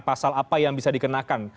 pasal apa yang bisa dikenakan